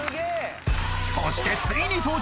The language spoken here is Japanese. ［そしてついに登場！